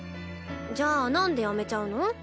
じゃあなんでやめちゃうの？